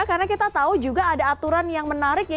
karena kita tahu juga ada aturan yang menarik